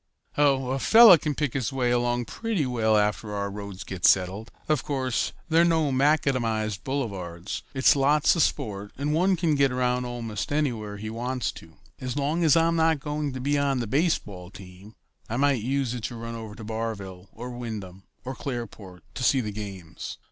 "Oh, a fellow can pick his way along pretty well after our roads get settled. Of course, they're no macadamized boulevards. It's lots of sport, and one can get around almost anywhere he wants to go. As long as I'm not going to be on the baseball team, I might use it to run over to Barville or Wyndham or Clearport to see the games."